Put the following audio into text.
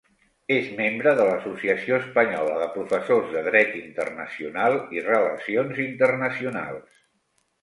És membre de l'Associació Espanyola de Professors de Dret Internacional i Relacions Internacionals.